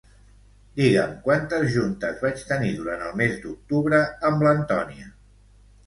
Digue'm quantes juntes vaig tenir durant el mes d'octubre amb l'Antònia.